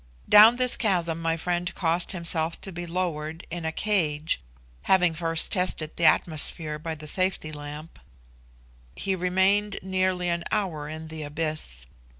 Down this chasm my friend caused himself to be lowered in a 'cage,' having first tested the atmosphere by the safety lamp. He remained nearly an hour in the abyss.